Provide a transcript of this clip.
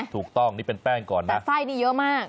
ถูกต้องนี่เป็นแป้งก่อนนะไส้นี่เยอะมาก